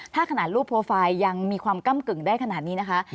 ถ้าขนาดรูปโปรไฟล์ยังมีความก้ำกึ่งได้ขนาดนี้นะคะ